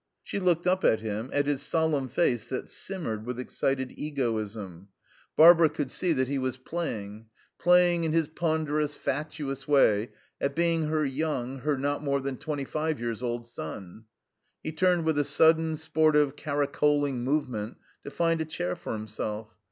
She looked up at him, at his solemn face that simmered with excited egoism. Barbara could see that he was playing playing in his ponderous, fatuous way, at being her young, her not more than twenty five years old son. He turned with a sudden, sportive, caracoling movement, to find a chair for himself.